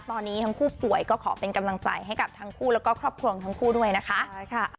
ตอนนี้ทั้งคู่ป่วยก็ขอเป็นกำลังใจให้กับทั้งคู่แล้วก็ครอบครัวของทั้งคู่ด้วยนะคะ